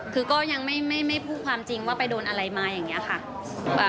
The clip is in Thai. คือก็ยังไม่ไม่พูดความจริงว่าไปโดนอะไรมาอย่างนี้ค่ะ